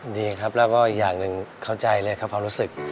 ดีครับแล้วก็อีกอย่างหนึ่งเข้าใจเลยครับความรู้สึก